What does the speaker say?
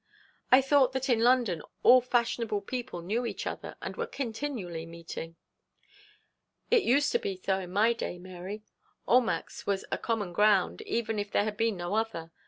I thought that in London all fashionable people knew each other, and were continually meeting.' 'It used to be so in my day, Mary. Almack's was a common ground, even if there had been no other.